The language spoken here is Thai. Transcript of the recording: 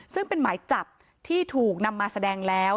ซึ่งเป็นหมายจับที่ถูกนำมาแสดงแล้ว